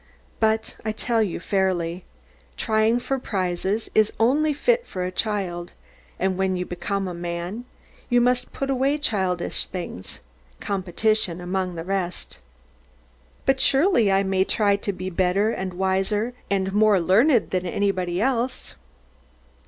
But I tell you fairly, trying for prizes is only fit for a child; and when you become a man, you must put away childish things competition among the rest. But surely I may try to be better and wiser and more learned than everybody else?